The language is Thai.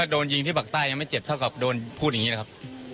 โดนยิงที่ปากใต้ยังไม่เจ็บเท่ากับโดนพูดอย่างนี้นะครับ